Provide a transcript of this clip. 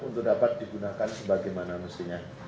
untuk dapat digunakan sebagaimana mestinya